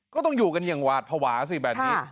ก็ต้องอยู่กันอย่างหวาดภาวะสิแบบนี้